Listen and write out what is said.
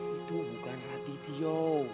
itu bukan raditya